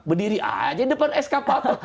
berdiri aja di depan eskapator